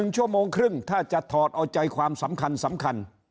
๑ชั่วโมงครึ่งถ้าจะถอดเอาใจความสำคัญ